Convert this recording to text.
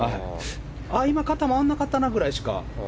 今、肩が回らなかったなくらいにしか。